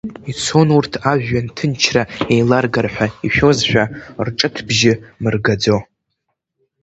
Ицон урҭ ажәҩан ҭынчра еиларгар ҳәа ишәозшәа, рҿыҭбжьы мыргаӡо.